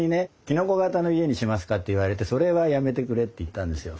「きのこ形の家にしますか？」って言われて「それはやめてくれ」って言ったんですよ。